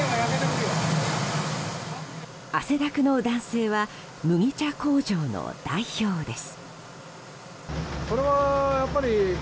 汗だくの男性は麦茶工場の代表です。